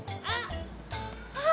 あっ！